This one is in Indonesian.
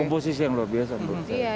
komposisi yang luar biasa menurut saya